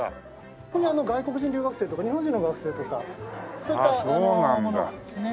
ここに外国人留学生とか日本人の学生とかそういったものがですね